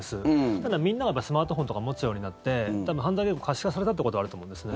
ただ、みんなスマートフォンとか持つようになって多分、犯罪も可視化されたってことはあると思うんですね。